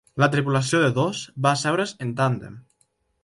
La tripulació de dos va asseure's en tàndem.